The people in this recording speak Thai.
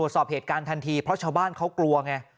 สอบเหตุการณ์ทันทีเพราะชาวบ้านเขากลัวไง